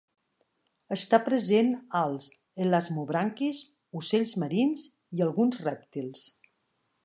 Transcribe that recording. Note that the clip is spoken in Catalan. Està present als elasmobranquis, ocells marins, i alguns rèptils.